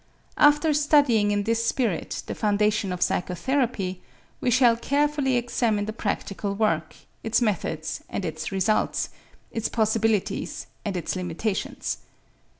After studying in this spirit the foundation of psychotherapy, we shall carefully examine the practical work, its methods and its results, its possibilities and its limitations.